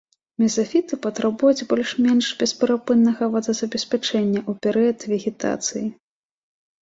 Мезафіты патрабуюць больш-менш бесперапыннага водазабеспячэння ў перыяд вегетацыі.